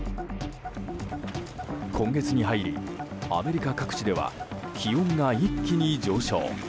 今月に入り、アメリカ各地では気温が一気に上昇。